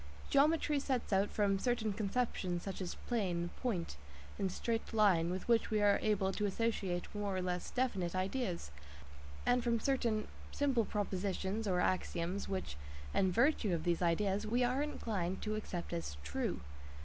Geometry sets out form certain conceptions such as "plane," "point," and "straight line," with which we are able to associate more or less definite ideas, and from certain simple propositions (axioms) which, in virtue of these ideas, we are inclined to accept as "true."